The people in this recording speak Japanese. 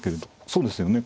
そうですよね